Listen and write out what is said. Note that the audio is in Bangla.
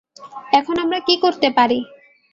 এখন আমরা কী করতে পারি?